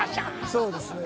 そうですね。